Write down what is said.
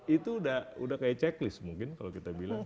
itu udah kayak checklist mungkin kalau kita bilang